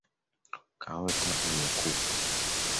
Kaota umekufa.